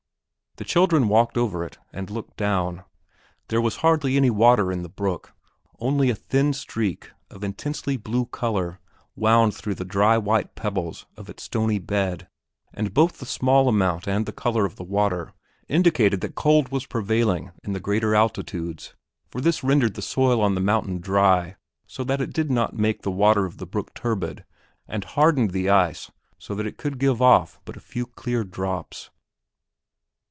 The children walked over it and looked down. There was hardly any water in the brook, only a thin streak of intensely blue color wound through the dry white pebbles of its stony bed, and both the small amount and the color of the water indicated that cold was prevailing in the greater altitudes; for this rendered the soil on the mountains dry so that it did not make the water of the brook turbid and hardened the ice so that it could give off but a few clear drops.